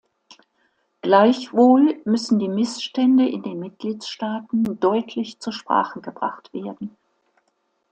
Gleichwohl müssen die Missstände in den Mitgliedstaaten deutlich zur Sprache gebracht werden.